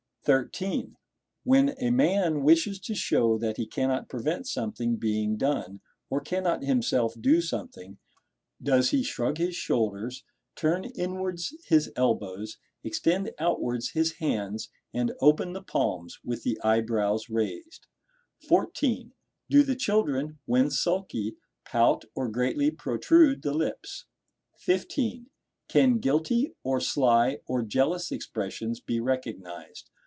(13.) When a man wishes to show that he cannot prevent something being done, or cannot himself do something, does he shrug his shoulders, turn inwards his elbows, extend outwards his hands and open the palms; with the eyebrows raised? (14) Do the children when sulky, pout or greatly protrude the lips? (15.) Can guilty, or sly, or jealous expressions be recognized?